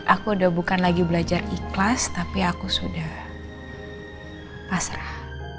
aku udah bukan lagi belajar ikhlas tapi aku sudah pasrah